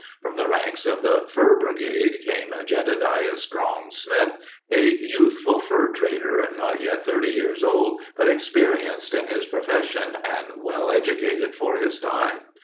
From the ranks of the "Fur Brigade" came Jedediah Strong Smith, a youthful fur trader, not yet thirty years old but experienced in his profession and well educated for his time.